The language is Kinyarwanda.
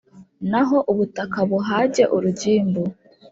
naho ubutaka buhage urugimbu.